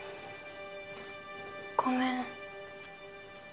ごめん。